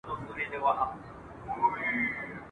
قتلول یې یوله بله په زرګونه !.